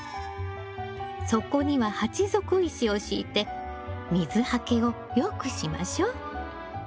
底には鉢底石を敷いて水はけをよくしましょう。